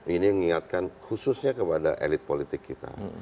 ini mengingatkan khususnya kepada elit politik kita